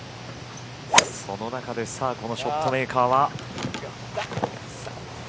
その中でさあ、このショットメーカーは。